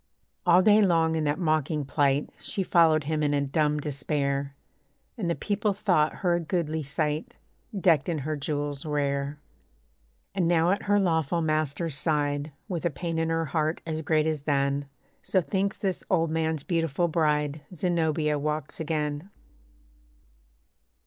All day long in that mocking plight, She followed him in a dumb despair; And the people thought her a goodly sight, Decked in her jewels rare. And now at her lawful master's side, With a pain in her heart, as great as then (So thinks this old man's beautiful bride), Zenobia walks again.